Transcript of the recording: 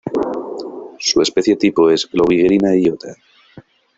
Su especie tipo es "Globigerina iota".